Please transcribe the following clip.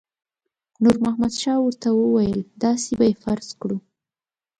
نور محمد شاه ورته وویل داسې به یې فرض کړو.